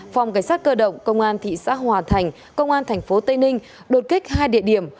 phòng cảnh sát cơ động công an thị xã hòa thành công an tp tây ninh đột kích hai địa điểm